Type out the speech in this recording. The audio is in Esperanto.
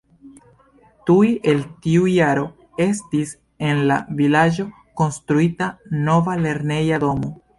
Tuj en tiu jaro estis en la vilaĝo konstruita nova lerneja domo.